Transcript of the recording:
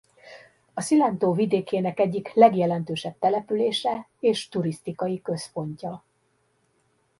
A Cilento vidékének egyik legjelentősebb települése és turisztikai központja.